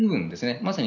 まさに。